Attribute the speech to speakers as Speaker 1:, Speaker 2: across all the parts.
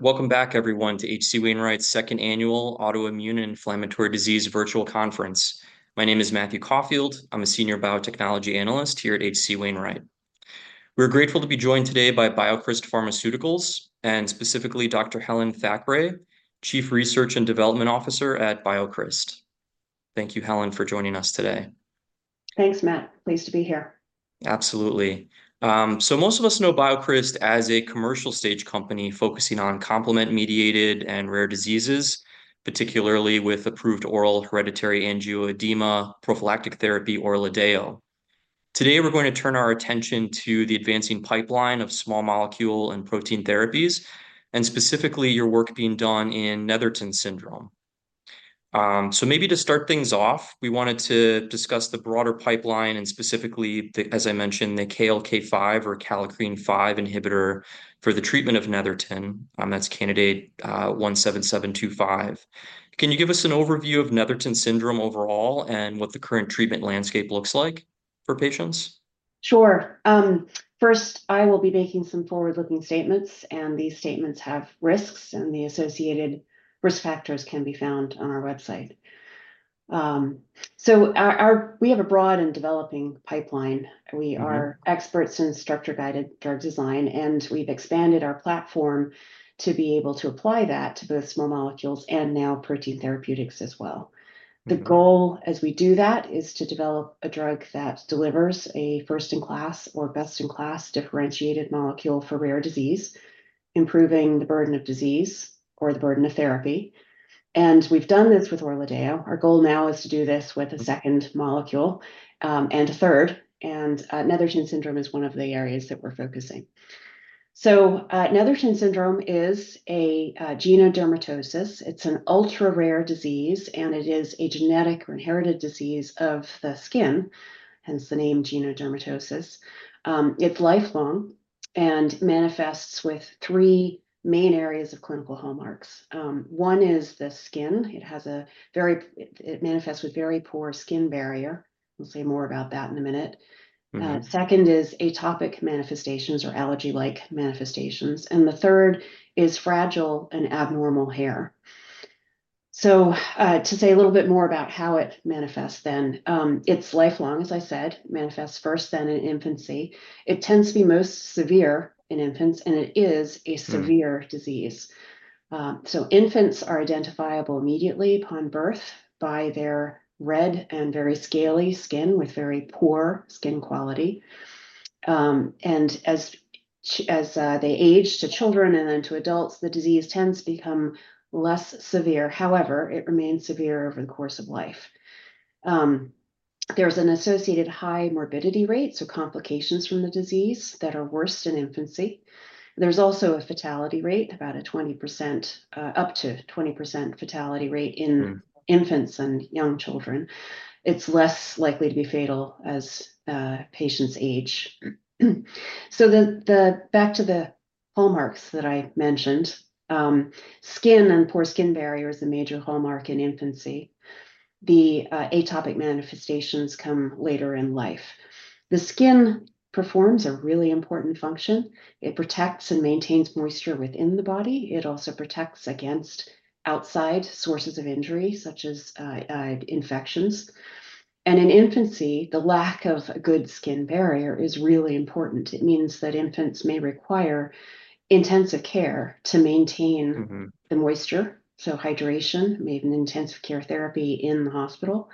Speaker 1: Welcome back, everyone, to H.C. Wainwright's second annual Autoimmune and Inflammatory Disease Virtual Conference. My name is Matthew Caulfield. I'm a senior biotechnology analyst here at H.C. Wainwright. We're grateful to be joined today by BioCryst Pharmaceuticals, and specifically Dr. Helen Thackray, Chief Research and Development Officer at BioCryst. Thank you, Helen, for joining us today.
Speaker 2: Thanks, Matt. Pleased to be here.
Speaker 1: Absolutely. So most of us know BioCryst as a commercial-stage company focusing on complement-mediated and rare diseases, particularly with approved oral Hereditary Angioedema prophylactic therapy, ORLADEYO. Today, we're going to turn our attention to the advancing pipeline of small molecule and protein therapies, and specifically, your work being done in Netherton Syndrome. So maybe to start things off, we wanted to discuss the broader pipeline and specifically, the, as I mentioned, the KLK5 or kallikrein five inhibitor for the treatment of Netherton, that's Candidate 17725. Can you give us an overview of Netherton Syndrome overall and what the current treatment landscape looks like for patients?
Speaker 2: Sure. First, I will be making some forward-looking statements, and these statements have risks, and the associated risk factors can be found on our website. So, we have a broad and developing pipeline.
Speaker 1: Mm-hmm.
Speaker 2: We are experts in structure-guided drug design, and we've expanded our platform to be able to apply that to both small molecules and now protein therapeutics as well.
Speaker 1: Mm-hmm.
Speaker 2: The goal, as we do that, is to develop a drug that delivers a first-in-class or best-in-class differentiated molecule for rare disease, improving the burden of disease or the burden of therapy, and we've done this with ORLADEYO. Our goal now is to do this with a second molecule, and a third, and Netherton Syndrome is one of the areas that we're focusing. Netherton Syndrome is a genodermatosis. It's an ultra-rare disease, and it is a genetic or inherited disease of the skin, hence the name genodermatosis. It's lifelong and manifests with three main areas of clinical hallmarks. One is the skin. It manifests with very poor skin barrier. We'll say more about that in a minute.
Speaker 1: Mm-hmm.
Speaker 2: Second is atopic manifestations or allergy-like manifestations, and the third is fragile and abnormal hair. So, to say a little bit more about how it manifests then, it's lifelong, as I said. Manifests first then in infancy. It tends to be most severe in infants, and it is a severe-
Speaker 1: Mm-hmm...
Speaker 2: disease. So infants are identifiable immediately upon birth by their red and very scaly skin with very poor skin quality. And as they age to children and then to adults, the disease tends to become less severe. However, it remains severe over the course of life. There's an associated high morbidity rate, so complications from the disease that are worse in infancy. There's also a fatality rate, about a 20%, up to 20% fatality rate in-
Speaker 1: Mm...
Speaker 2: infants and young children. It's less likely to be fatal as patients age. So back to the hallmarks that I mentioned, skin and poor skin barrier is a major hallmark in infancy. The atopic manifestations come later in life. The skin performs a really important function. It protects and maintains moisture within the body. It also protects against outside sources of injury, such as infections. And in infancy, the lack of a good skin barrier is really important. It means that infants may require intensive care to maintain-
Speaker 1: Mm-hmm...
Speaker 2: the moisture, so hydration, maybe an intensive care therapy in the hospital.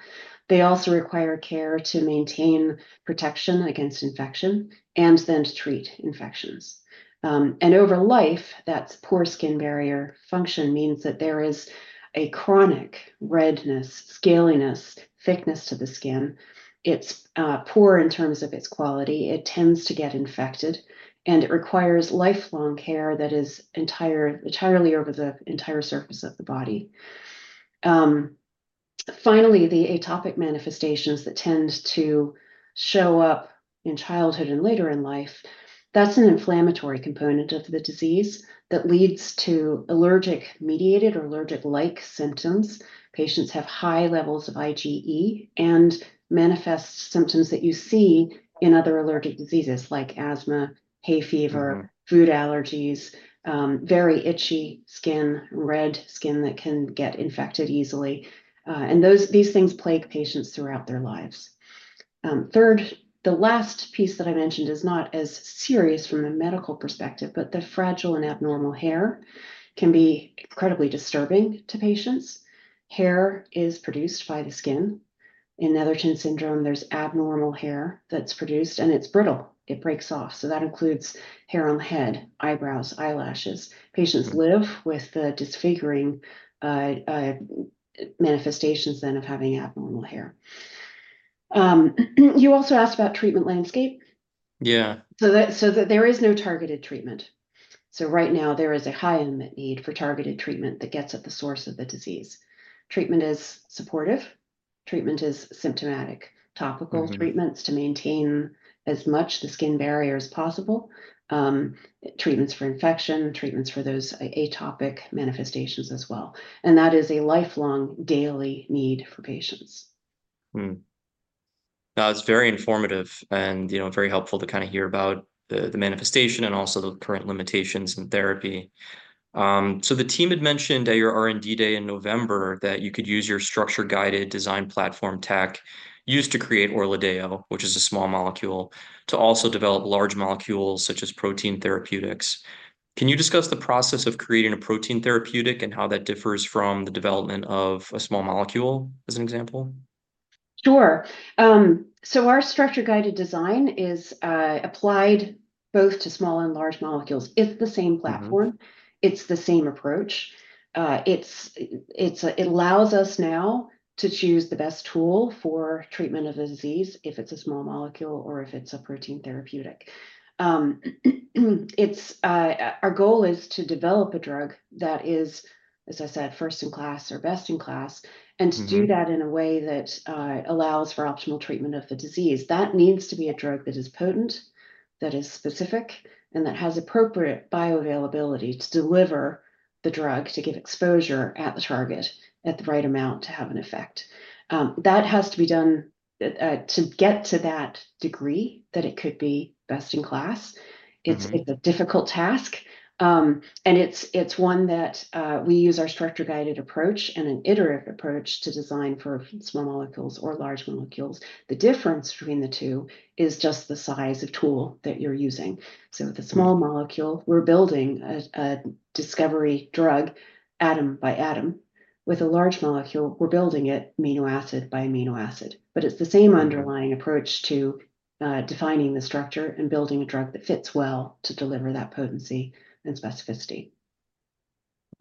Speaker 2: They also require care to maintain protection against infection and then to treat infections. And over life, that poor skin barrier function means that there is a chronic redness, scaliness, thickness to the skin. It's poor in terms of its quality, it tends to get infected, and it requires lifelong care that is entirely over the entire surface of the body. Finally, the atopic manifestations that tend to show up in childhood and later in life, that's an inflammatory component of the disease that leads to allergic-mediated or allergic-like symptoms. Patients have high levels of IgE and manifest symptoms that you see in other allergic diseases like asthma, hay fever-
Speaker 1: Mm-hmm...
Speaker 2: food allergies, very itchy skin, red skin that can get infected easily. And these things plague patients throughout their lives. Third, the last piece that I mentioned is not as serious from a medical perspective, but the fragile and abnormal hair can be incredibly disturbing to patients. Hair is produced by the skin. In Netherton Syndrome, there's abnormal hair that's produced, and it's brittle. It breaks off, so that includes hair on head, eyebrows, eyelashes.
Speaker 1: Mm-hmm.
Speaker 2: Patients live with the disfiguring manifestations then of having abnormal hair. You also asked about treatment landscape?
Speaker 1: Yeah.
Speaker 2: So there is no targeted treatment. So right now, there is a high unmet need for targeted treatment that gets at the source of the disease. Treatment is supportive, treatment is symptomatic-
Speaker 1: Mm-hmm...
Speaker 2: topical treatments to maintain as much the skin barrier as possible, treatments for infection, treatments for those atopic manifestations as well, and that is a lifelong daily need for patients.
Speaker 1: Mm-hmm. That was very informative and, you know, very helpful to kind of hear about the manifestation and also the current limitations in therapy. So the team had mentioned at your R&D day in November that you could use your structure-guided design platform tech used to create ORLADEYO, which is a small molecule, to also develop large molecules, such as protein therapeutics. Can you discuss the process of creating a protein therapeutic, and how that differs from the development of a small molecule, as an example?
Speaker 2: Sure. So our structure-guided design is applied both to small and large molecules. It's the same platform-
Speaker 1: Mm-hmm.
Speaker 2: It's the same approach. It allows us now to choose the best tool for treatment of a disease, if it's a small molecule or if it's a protein therapeutic. Our goal is to develop a drug that is, as I said, first-in-class or best-in-class-
Speaker 1: Mm-hmm...
Speaker 2: and to do that in a way that allows for optimal treatment of the disease. That needs to be a drug that is potent, that is specific, and that has appropriate bioavailability to deliver the drug to give exposure at the target at the right amount to have an effect. That has to be done, to get to that degree that it could be best-in-class.
Speaker 1: Mm-hmm.
Speaker 2: It's a difficult task, and it's one that we use our structure-guided approach and an iterative approach to design for small molecules or large molecules. The difference between the two is just the size of tool that you're using.
Speaker 1: Mm-hmm.
Speaker 2: With a small molecule, we're building a discovery drug atom by atom. With a large molecule, we're building it amino acid by amino acid.
Speaker 1: Mm-hmm.
Speaker 2: But it's the same underlying approach to defining the structure and building a drug that fits well to deliver that potency and specificity.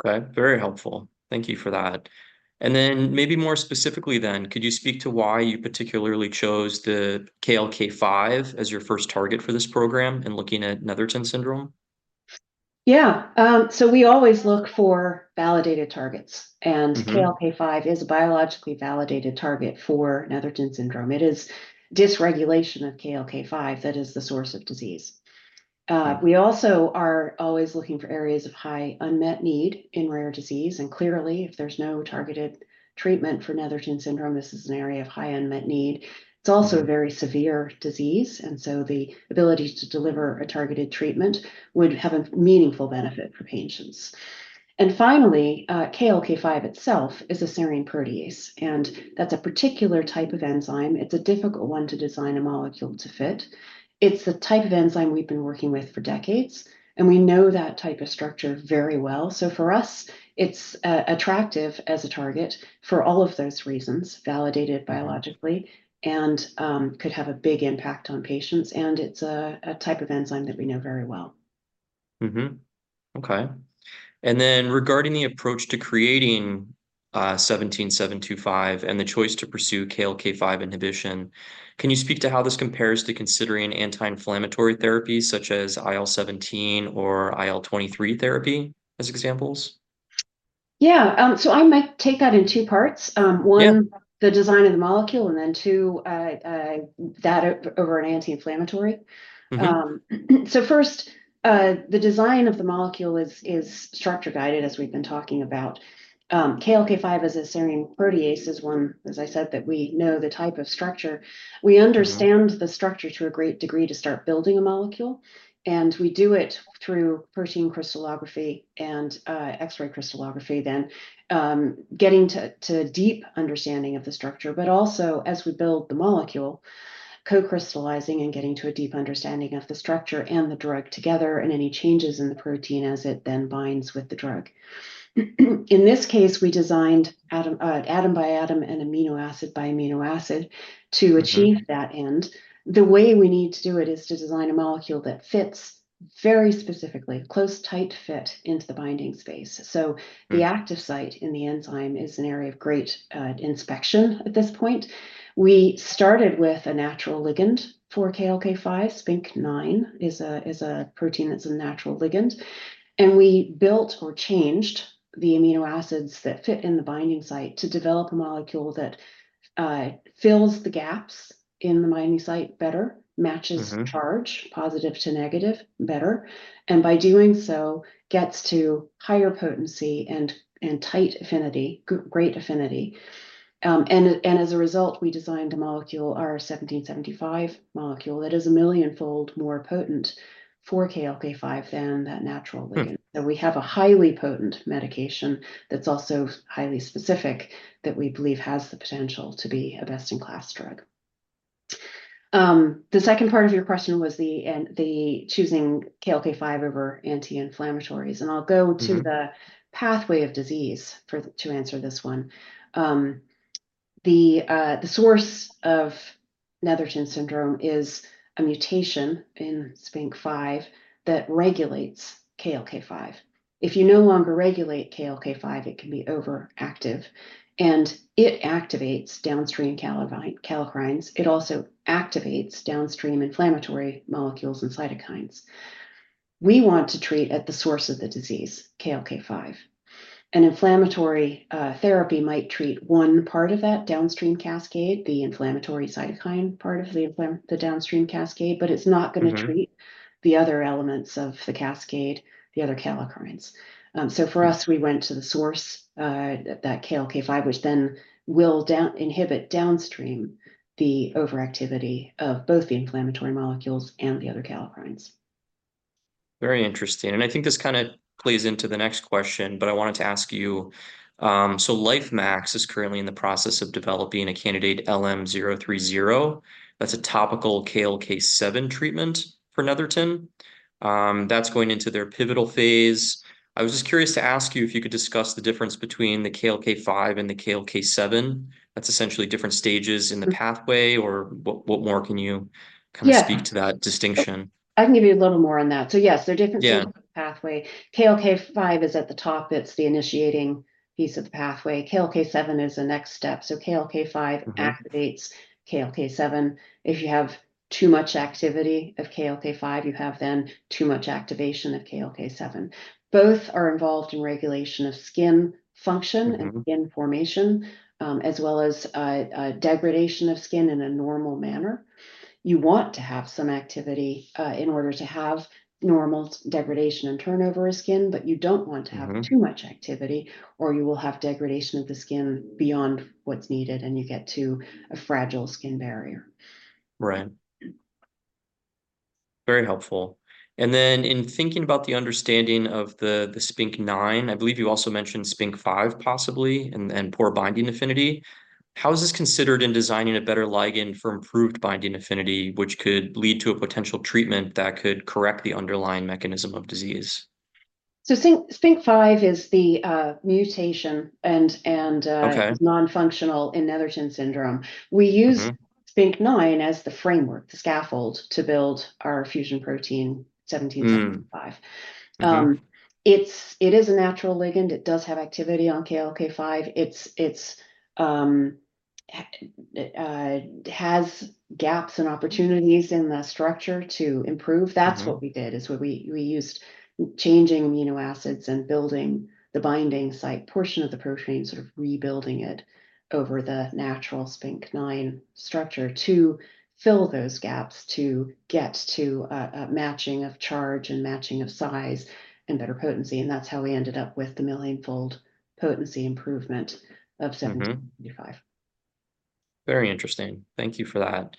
Speaker 1: Okay, very helpful. Thank you for that. And then maybe more specifically then, could you speak to why you particularly chose the KLK5 as your first target for this program in looking at Netherton Syndrome?
Speaker 2: Yeah. So we always look for validated targets, and-
Speaker 1: Mm-hmm...
Speaker 2: KLK5 is a biologically validated target for Netherton Syndrome. It is dysregulation of KLK5 that is the source of disease.
Speaker 1: Mm-hmm.
Speaker 2: We also are always looking for areas of high unmet need in rare disease, and clearly, if there's no targeted treatment for Netherton Syndrome, this is an area of high unmet need.
Speaker 1: Mm-hmm.
Speaker 2: It's also a very severe disease, and so the ability to deliver a targeted treatment would have a meaningful benefit for patients. And finally, KLK5 itself is a serine protease, and that's a particular type of enzyme. It's a difficult one to design a molecule to fit. It's the type of enzyme we've been working with for decades, and we know that type of structure very well. So for us, it's attractive as a target for all of those reasons, validated biologically-
Speaker 1: Mm-hmm ...
Speaker 2: and could have a big impact on patients, and it's a type of enzyme that we know very well.
Speaker 1: Mm-hmm. Okay. And then regarding the approach to creating 17725 and the choice to pursue KLK5 inhibition, can you speak to how this compares to considering anti-inflammatory therapies, such as IL-17 or IL-23 therapy, as examples?
Speaker 2: Yeah. So I might take that in two parts.
Speaker 1: Yeah...
Speaker 2: one, the design of the molecule, and then two, that over an anti-inflammatory.
Speaker 1: Mm-hmm.
Speaker 2: So first, the design of the molecule is structure-guided, as we've been talking about. KLK5 is a serine protease, one, as I said, that we know the type of structure.
Speaker 1: Mm-hmm.
Speaker 2: We understand the structure to a great degree to start building a molecule, and we do it through protein crystallography and X-ray crystallography, then getting to a deep understanding of the structure, but also, as we build the molecule, co-crystallizing and getting to a deep understanding of the structure and the drug together, and any changes in the protein as it then binds with the drug. In this case, we designed atom by atom and amino acid by amino acid-
Speaker 1: Mm-hmm...
Speaker 2: to achieve that end. The way we need to do it is to design a molecule that fits very specifically, close, tight fit into the binding space.
Speaker 1: Mm-hmm.
Speaker 2: The active site in the enzyme is an area of great inspection at this point. We started with a natural ligand for KLK5. SPINK9 is a protein that's a natural ligand, and we built or changed the amino acids that fit in the binding site to develop a molecule that fills the gaps in the binding site better, matches-
Speaker 1: Mm-hmm...
Speaker 2: charge, positive to negative, better, and by doing so, gets to higher potency and tight affinity, great affinity. And as a result, we designed a molecule, our 17725 molecule, that is a million-fold more potent for KLK5 than that natural ligand.
Speaker 1: Hmm.
Speaker 2: So we have a highly potent medication, that's also highly specific, that we believe has the potential to be a best-in-class drug. The second part of your question was the choosing KLK5 over anti-inflammatories, and I'll go to-
Speaker 1: Mm-hmm...
Speaker 2: the pathway of disease for to answer this one. The source of Netherton Syndrome is a mutation in SPINK5 that regulates KLK5. If you no longer regulate KLK5, it can be overactive, and it activates downstream kallikrein, kallikreins. It also activates downstream inflammatory molecules and cytokines. We want to treat at the source of the disease, KLK5. An inflammatory therapy might treat one part of that downstream cascade, the inflammatory cytokine part of the downstream cascade, but it's not gonna treat-
Speaker 1: Mm-hmm...
Speaker 2: the other elements of the cascade, the other kallikreins. So for us-
Speaker 1: Mm-hmm...
Speaker 2: we went to the source, that KLK5, which then will down- inhibit downstream the overactivity of both the inflammatory molecules and the other kallikreins....
Speaker 1: Very interesting, and I think this kind of plays into the next question, but I wanted to ask you, so LifeMax is currently in the process of developing a candidate, LM030. That's a topical KLK7 treatment for Netherton. That's going into their pivotal phase. I was just curious to ask you if you could discuss the difference between the KLK5 and the KLK7. That's essentially different stages in the pathway, or what, what more can you-
Speaker 2: Yeah
Speaker 1: kind of speak to that distinction?
Speaker 2: I can give you a little more on that. So yes, they're different-
Speaker 1: Yeah
Speaker 2: -stage pathway. KLK5 is at the top, it's the initiating piece of the pathway. KLK7 is the next step. So KLK5-
Speaker 1: Mm-hmm...
Speaker 2: activates KLK7. If you have too much activity of KLK5, you have then too much activation of KLK7. Both are involved in regulation of skin function.
Speaker 1: Mm-hmm...
Speaker 2: and skin formation, as well as, degradation of skin in a normal manner. You want to have some activity, in order to have normal degradation and turnover of skin, but you don't want to have-
Speaker 1: Mm-hmm...
Speaker 2: too much activity, or you will have degradation of the skin beyond what's needed, and you get to a fragile skin barrier.
Speaker 1: Right. Very helpful. And then in thinking about the understanding of the SPINK9, I believe you also mentioned SPINK5 possibly, and poor binding affinity. How is this considered in designing a better ligand for improved binding affinity, which could lead to a potential treatment that could correct the underlying mechanism of disease?
Speaker 2: So SPINK5 is the mutation and-
Speaker 1: Okay...
Speaker 2: non-functional in Netherton Syndrome.
Speaker 1: Mm-hmm.
Speaker 2: We use SPINK9 as the framework, the scaffold, to build our fusion protein 17725.
Speaker 1: Mm, mm-hmm.
Speaker 2: It is a natural ligand. It does have activity on KLK5. It has gaps and opportunities in the structure to improve.
Speaker 1: Mm-hmm.
Speaker 2: That's what we did, what we used, changing amino acids and building the binding site portion of the protein, sort of rebuilding it over the natural SPINK9 structure to fill those gaps, to get to a matching of charge, and matching of size, and better potency, and that's how we ended up with the million-fold potency improvement of 17725.
Speaker 1: Mm-hmm. Very interesting. Thank you for that.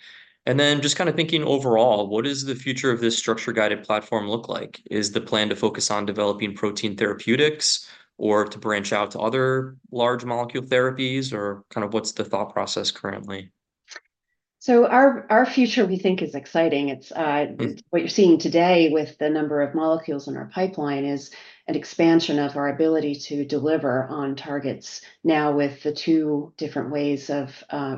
Speaker 1: And then just kind of thinking overall, what does the future of this structure-guided platform look like? Is the plan to focus on developing protein therapeutics, or to branch out to other large molecule therapies, or kind of what's the thought process currently?
Speaker 2: So our future, we think, is exciting. It's
Speaker 1: Mm...
Speaker 2: what you're seeing today with the number of molecules in our pipeline is an expansion of our ability to deliver on targets now with the two different ways of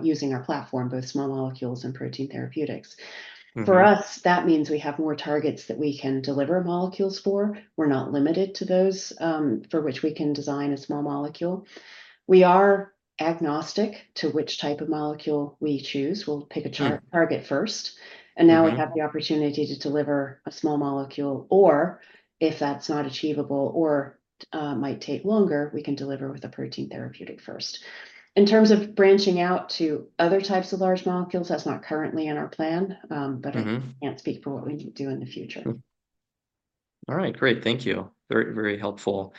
Speaker 2: using our platform, both small molecules and protein therapeutics.
Speaker 1: Mm-hmm.
Speaker 2: For us, that means we have more targets that we can deliver molecules for. We're not limited to those, for which we can design a small molecule. We are agnostic to which type of molecule we choose. We'll pick a char-
Speaker 1: Mm...
Speaker 2: target first, and now-
Speaker 1: Mm-hmm...
Speaker 2: we have the opportunity to deliver a small molecule, or if that's not achievable, or might take longer, we can deliver with a protein therapeutic first. In terms of branching out to other types of large molecules, that's not currently in our plan. But-
Speaker 1: Mm-hmm...
Speaker 2: I can't speak for what we do in the future.
Speaker 1: All right, great, thank you. Very, very helpful.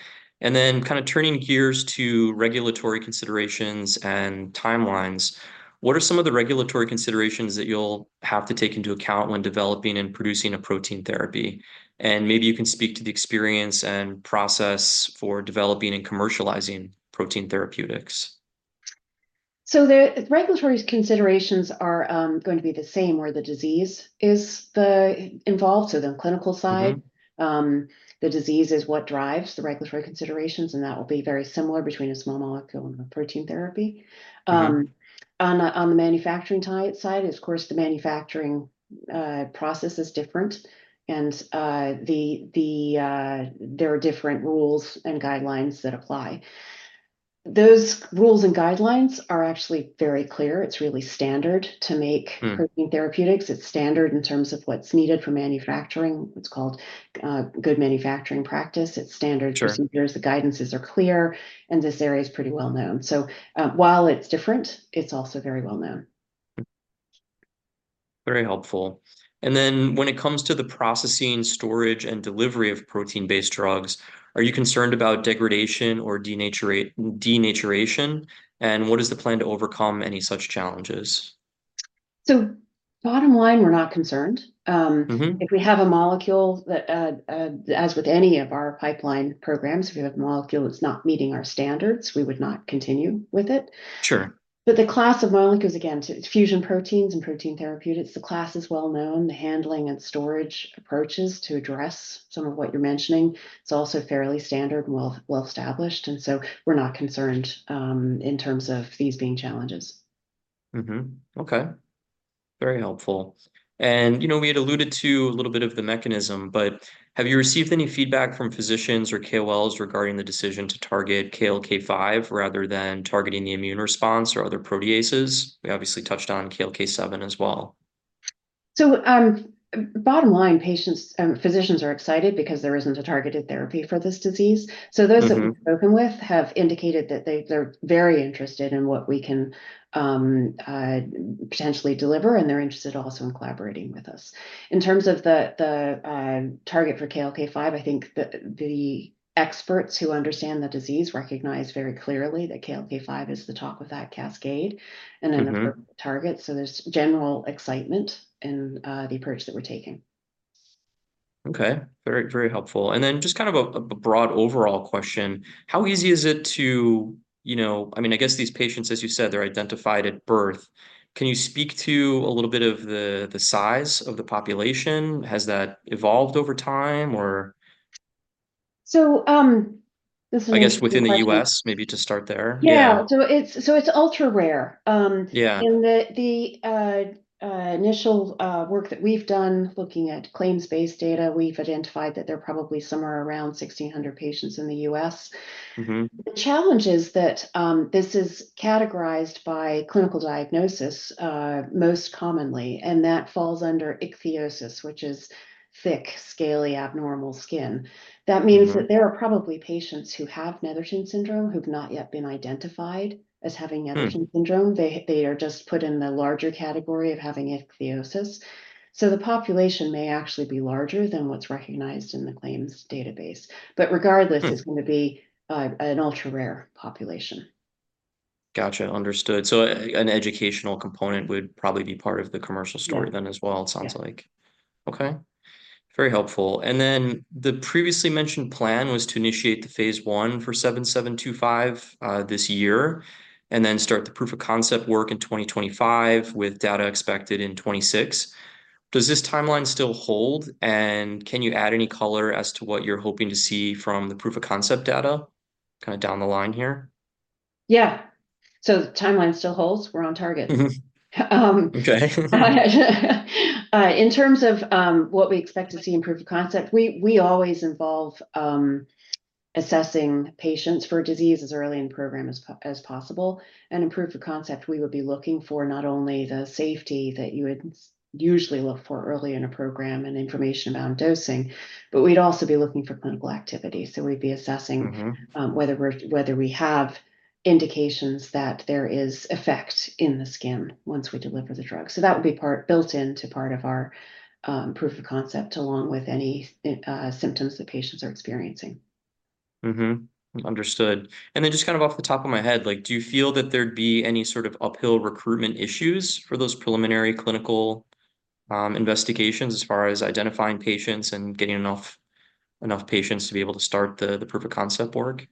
Speaker 1: And then kind of turning gears to regulatory considerations and timelines, what are some of the regulatory considerations that you'll have to take into account when developing and producing a protein therapy? And maybe you can speak to the experience and process for developing and commercializing protein therapeutics.
Speaker 2: So the regulatory considerations are going to be the same, where the disease is the involved, so the clinical side.
Speaker 1: Mm-hmm.
Speaker 2: The disease is what drives the regulatory considerations, and that will be very similar between a small molecule and a protein therapy.
Speaker 1: Mm-hmm.
Speaker 2: On the manufacturing side, of course, there are different rules and guidelines that apply. Those rules and guidelines are actually very clear. It's really standard to make-
Speaker 1: Mm...
Speaker 2: protein therapeutics. It's standard in terms of what's needed for manufacturing, what's called good manufacturing practice. It's standard procedures-
Speaker 1: Sure...
Speaker 2: the guidances are clear, and this area is pretty well-known. So, while it's different, it's also very well-known.
Speaker 1: Very helpful. Then when it comes to the processing, storage, and delivery of protein-based drugs, are you concerned about degradation or denaturation? What is the plan to overcome any such challenges?
Speaker 2: So bottom line, we're not concerned.
Speaker 1: Mm-hmm...
Speaker 2: if we have a molecule that, as with any of our pipeline programs, if we have a molecule that's not meeting our standards, we would not continue with it.
Speaker 1: Sure.
Speaker 2: But the class of molecules, again, so it's fusion proteins and protein therapeutics, the class is well-known. The handling and storage approaches to address some of what you're mentioning, it's also fairly standard and well-established, and so we're not concerned in terms of these being challenges.
Speaker 1: Mm-hmm. Okay, very helpful. And, you know, we had alluded to a little bit of the mechanism, but have you received any feedback from physicians or KOLs regarding the decision to target KLK5 rather than targeting the immune response or other proteases? We obviously touched on KLK7 as well.
Speaker 2: Bottom line, patients, physicians are excited, because there isn't a targeted therapy for this disease.
Speaker 1: Mm-hmm.
Speaker 2: So those that we've spoken with have indicated that they... They're very interested in what we can potentially deliver, and they're interested also in collaborating with us. In terms of the target for KLK5, I think the experts who understand the disease recognize very clearly that KLK5 is the top of that cascade.
Speaker 1: Mm-hmm...
Speaker 2: and the number one target, so there's general excitement in the approach that we're taking....
Speaker 1: Okay, very, very helpful. Then just kind of a broad overall question: How easy is it to, you know, I mean, I guess these patients, as you said, they're identified at birth. Can you speak to a little bit of the size of the population? Has that evolved over time or-
Speaker 2: So, this is-
Speaker 1: I guess within the U.S., maybe to start there.
Speaker 2: Yeah.
Speaker 1: Yeah.
Speaker 2: So it's ultra-rare.
Speaker 1: Yeah
Speaker 2: In the initial work that we've done looking at claims-based data, we've identified that there are probably somewhere around 1,600 patients in the U.S.
Speaker 1: Mm-hmm.
Speaker 2: The challenge is that this is categorized by clinical diagnosis, most commonly, and that falls under ichthyosis, which is thick, scaly, abnormal skin.
Speaker 1: Mm-hmm.
Speaker 2: That means that there are probably patients who have Netherton Syndrome who've not yet been identified as having Netherton-
Speaker 1: Hmm...
Speaker 2: Syndrome. They are just put in the larger category of having ichthyosis. So the population may actually be larger than what's recognized in the claims database. But regardless-
Speaker 1: Hmm...
Speaker 2: it's going to be an ultra-rare population.
Speaker 1: Gotcha. Understood. So an educational component would probably be part of the commercial story-
Speaker 2: Yeah...
Speaker 1: then as well, it sounds like.
Speaker 2: Yeah.
Speaker 1: Okay. Very helpful. And then the previously mentioned plan was to initiate the phase I for 7725 this year, and then start the proof of concept work in 2025, with data expected in 2026. Does this timeline still hold, and can you add any color as to what you're hoping to see from the proof of concept data kind of down the line here?
Speaker 2: Yeah. So the timeline still holds. We're on target.
Speaker 1: Mm-hmm.
Speaker 2: Um
Speaker 1: Okay.
Speaker 2: In terms of what we expect to see in proof of concept, we always involve assessing patients for disease as early in program as possible. In proof of concept, we would be looking for not only the safety that you would usually look for early in a program and information about dosing, but we'd also be looking for clinical activity. So we'd be assessing-
Speaker 1: Mm-hmm...
Speaker 2: whether we're, whether we have indications that there is effect in the skin once we deliver the drug. So that would be part, built into part of our, proof of concept, along with any symptoms that patients are experiencing.
Speaker 1: Mm-hmm. Understood. And then just kind of off the top of my head, like, do you feel that there'd be any sort of uphill recruitment issues for those preliminary clinical investigations as far as identifying patients and getting enough patients to be able to start the proof of concept work?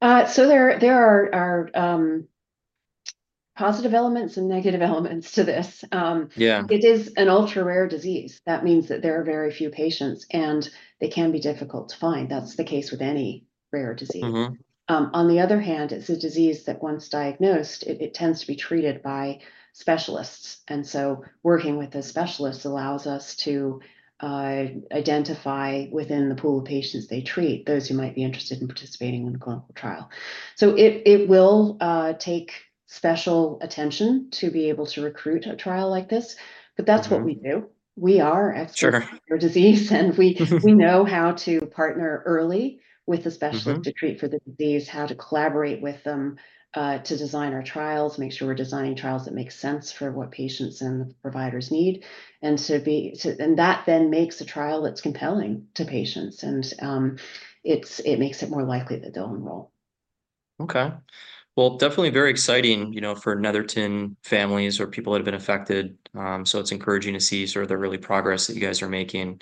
Speaker 2: So there are positive elements and negative elements to this.
Speaker 1: Yeah...
Speaker 2: it is an ultra-rare disease. That means that there are very few patients, and they can be difficult to find. That's the case with any rare disease.
Speaker 1: Mm-hmm.
Speaker 2: On the other hand, it's a disease that once diagnosed, it tends to be treated by specialists, and so working with a specialist allows us to identify within the pool of patients they treat, those who might be interested in participating in a clinical trial. So it will take special attention to be able to recruit a trial like this, but that's-
Speaker 1: Mm-hmm...
Speaker 2: what we do. We are experts-
Speaker 1: Sure...
Speaker 2: for disease, and we know how to partner early with the specialist-
Speaker 1: Mm-hmm...
Speaker 2: to treat for the disease, how to collaborate with them, to design our trials, make sure we're designing trials that make sense for what patients and the providers need, and so, and that then makes a trial that's compelling to patients. And, it makes it more likely that they'll enroll.
Speaker 1: Okay. Well, definitely very exciting, you know, for Netherton families or people that have been affected. It's encouraging to see sort of the real progress that you guys are making.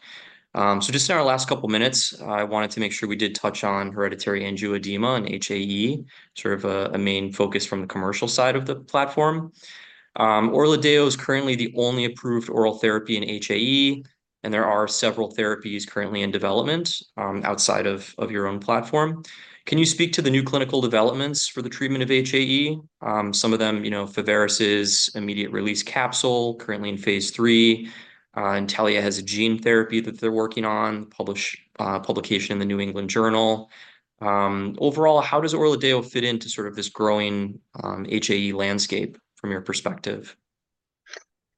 Speaker 1: Just in our last couple minutes, I wanted to make sure we did touch on Hereditary Angioedema and HAE, sort of a main focus from the commercial side of the platform. ORLADEYO is currently the only approved oral therapy in HAE, and there are several therapies currently in development, outside of your own platform. Can you speak to the new clinical developments for the treatment of HAE? Some of them, you know, Pharvaris' immediate-release capsule, currently in phase III. Intellia has a gene therapy that they're working on, publication in the New England Journal. Overall, how does ORLADEYO fit into sort of this growing, HAE landscape from your perspective?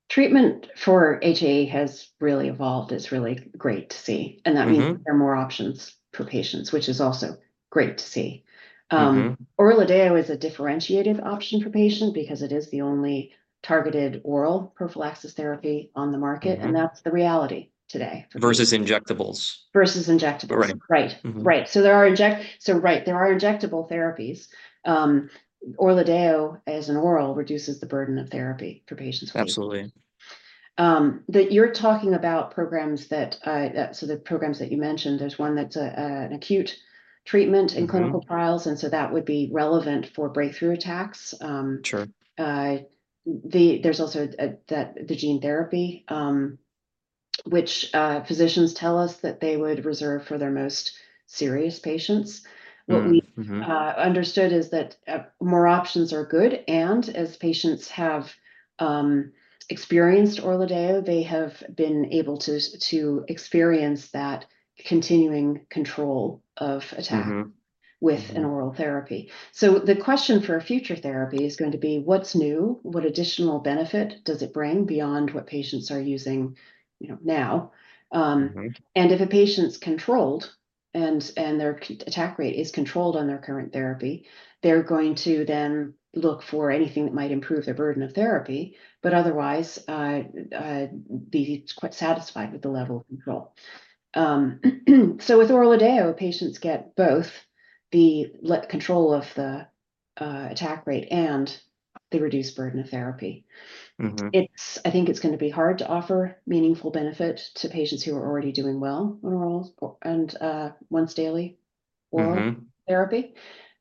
Speaker 2: Treatment for HAE has really evolved. It's really great to see, and that means-
Speaker 1: Mm-hmm...
Speaker 2: there are more options for patients, which is also great to see.
Speaker 1: Mm-hmm...
Speaker 2: ORLADEYO is a differentiated option for patient because it is the only targeted oral prophylaxis therapy on the market-
Speaker 1: Mm-hmm...
Speaker 2: and that's the reality today.
Speaker 1: Versus injectables?
Speaker 2: Versus injectables.
Speaker 1: Right.
Speaker 2: Right.
Speaker 1: Mm-hmm.
Speaker 2: Right. So there are injectable therapies. ORLADEYO, as an oral, reduces the burden of therapy for patients with HAE.
Speaker 1: Absolutely.
Speaker 2: that you're talking about programs that, so the programs that you mentioned, there's one that's an acute treatment in clinical-
Speaker 1: Mm-hmm...
Speaker 2: trials, and so that would be relevant for breakthrough attacks.
Speaker 1: Sure...
Speaker 2: there's also the gene therapy, which physicians tell us that they would reserve for their most serious patients.
Speaker 1: Mm-hmm. Mm-hmm.
Speaker 2: What we understood is that more options are good, and as patients have experienced ORLADEYO, they have been able to experience that continuing control of attack-
Speaker 1: Mm-hmm...
Speaker 2: with an oral therapy. So the question for a future therapy is going to be: What's new? What additional benefit does it bring beyond what patients are using, you know, now?
Speaker 1: Mm-hmm.
Speaker 2: And if a patient's controlled, and their attack rate is controlled on their current therapy, they're going to then look for anything that might improve their burden of therapy, but otherwise, be quite satisfied with the level of control. So with ORLADEYO, patients get both the level of control of the attack rate and the reduced burden of therapy.
Speaker 1: Mm-hmm.
Speaker 2: I think it's gonna be hard to offer meaningful benefit to patients who are already doing well on oral or once-daily oral-
Speaker 1: Mm-hmm...
Speaker 2: therapy.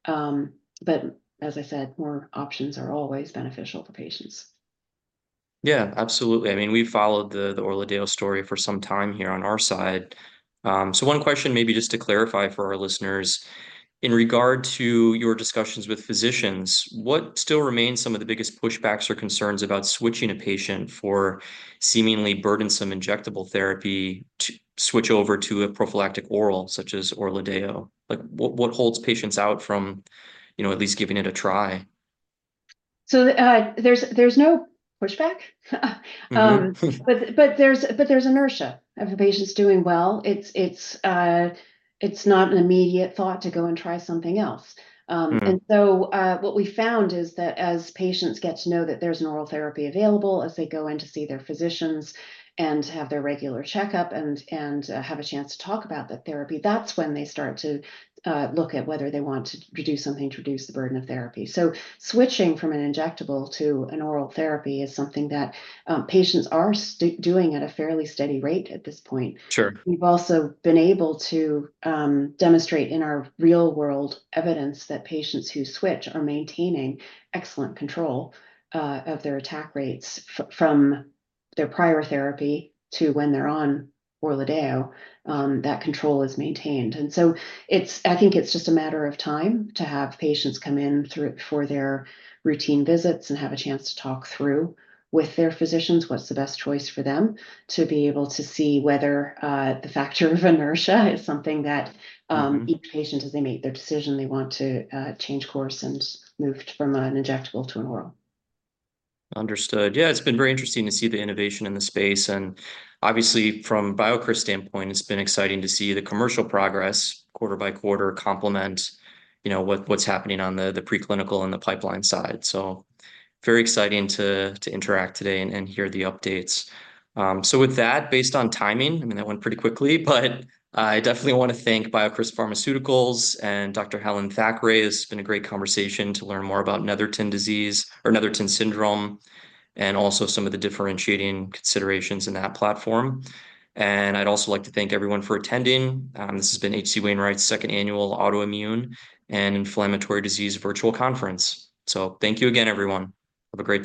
Speaker 2: But as I said, more options are always beneficial to patients.
Speaker 1: Yeah, absolutely. I mean, we followed the ORLADEYO story for some time here on our side. So one question maybe just to clarify for our listeners, in regard to your discussions with physicians, what still remains some of the biggest pushbacks or concerns about switching a patient for seemingly burdensome injectable therapy to switch over to a prophylactic oral, such as ORLADEYO? Like, what holds patients out from, you know, at least giving it a try?
Speaker 2: So, there's no pushback.
Speaker 1: Mm-hmm....
Speaker 2: but there's inertia. If a patient's doing well, it's not an immediate thought to go and try something else.
Speaker 1: Mm-hmm...
Speaker 2: and so, what we found is that as patients get to know that there's an oral therapy available, as they go in to see their physicians and have their regular checkup, and, and, have a chance to talk about the therapy, that's when they start to look at whether they want to do something to reduce the burden of therapy. So switching from an injectable to an oral therapy is something that patients are doing at a fairly steady rate at this point.
Speaker 1: Sure.
Speaker 2: We've also been able to demonstrate in our real-world evidence that patients who switch are maintaining excellent control of their attack rates from their prior therapy to when they're on ORLADEYO, that control is maintained. And so it's. I think it's just a matter of time to have patients come in through for their routine visits and have a chance to talk through with their physicians what's the best choice for them, to be able to see whether the factor of inertia is something that
Speaker 1: Mm-hmm...
Speaker 2: each patient, as they make their decision, they want to change course and move from an injectable to an oral.
Speaker 1: Understood. Yeah, it's been very interesting to see the innovation in the space, and obviously from BioCryst standpoint, it's been exciting to see the commercial progress quarter by quarter complement, you know, what, what's happening on the, the preclinical and the pipeline side. So very exciting to, to interact today and, and hear the updates. So with that, based on timing, I mean, that went pretty quickly, but I definitely want to thank BioCryst Pharmaceuticals and Dr. Helen Thackray. It's been a great conversation to learn more about Netherton disease or Netherton Syndrome, and also some of the differentiating considerations in that platform. And I'd also like to thank everyone for attending. This has been H.C. Wainwright's second annual Autoimmune and Inflammatory Disease Virtual Conference. So thank you again, everyone. Have a great-